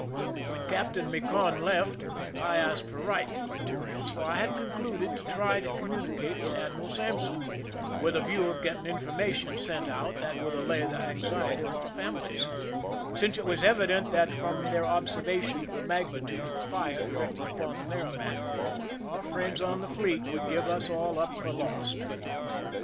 When Captain Micon left, I asked for writing materials : for I had concluded to try to communi cate with Admiral Sampson, with a view to getting information sent out that would allay the anxiety of our families; since it was evident that, from their observation of the magnitude of the fire di rected upon the MerrimaCj our friends on the fleet would give us all up for lost.